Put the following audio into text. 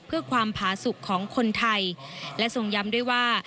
เพื่อความผาสุขของคนไทยและทรงย้ำด้วยว่า